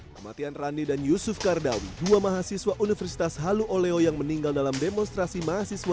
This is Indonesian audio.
kematian rani dan yusuf kardawi dua mahasiswa universitas halu oleo yang meninggal dalam demonstrasi mahasiswa